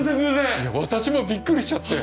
いや私もビックリしちゃって。